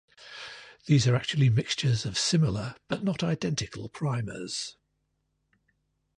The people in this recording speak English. These are actually mixtures of similar, but not identical primers.